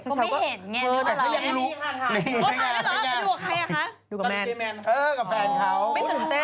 ก็ไม่เห็นอย่างนี้